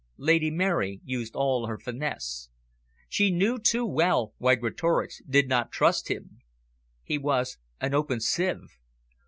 Lady Mary used all her finesse. She knew too well why Greatorex did not trust him. He was an open sieve.